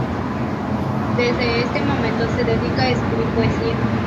Desde este momento se dedica a escribir poesía.